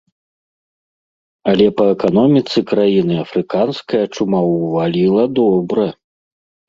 Але па эканоміцы краіны афрыканская чума ўваліла добра.